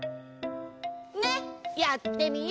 ねっやってみよ！